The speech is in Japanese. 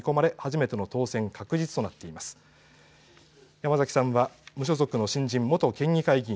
山崎さんは無所属の新人、元県議会議員。